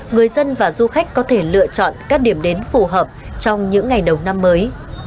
người dân và du khách có thể lựa chọn các điểm đến phù hợp trong những ngày đầu năm mới